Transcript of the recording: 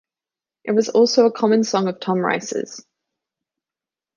It was also a common song of Tom Rice's.